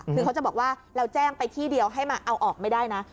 คือเขาจะบอกว่าเราแจ้งไปที่เดียวให้มาเอาออกไม่ได้นะ